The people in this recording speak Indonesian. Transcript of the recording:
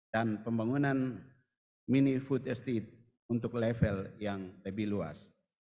dan pembangunan mini food estate untuk level yang lebih luas